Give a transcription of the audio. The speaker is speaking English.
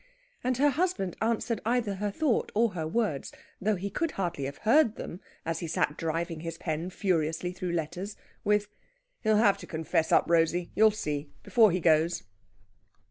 And her husband answered either her thought or her words though he could hardly have heard them as he sat driving his pen furiously through letters with: "He'll have to confess up, Rosey, you'll see, before he goes."